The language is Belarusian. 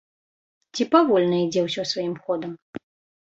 Ці павольна ідзе ўсё сваім ходам?